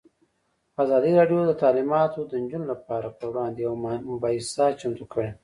ازادي راډیو د تعلیمات د نجونو لپاره پر وړاندې یوه مباحثه چمتو کړې.